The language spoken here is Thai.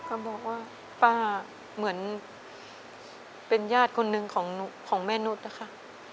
ก็บอกว่าป้าเหมือนเป็นญาติคนหนึ่งของแม่นุษย์นะคะ